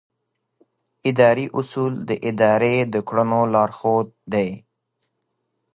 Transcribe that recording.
اداري اصول د ادارې د کړنو لارښود دي.